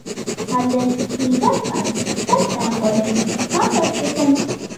თავზე ერთი ცული დამკარი და დამკოდეო თქვა ხელმწიფემ